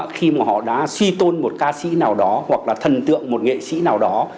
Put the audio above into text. khi mà họ đã suy tôn một ca sĩ nào đó hoặc là thần tượng một nghệ sĩ nào đó